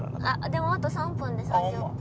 でもあと３分で３０分。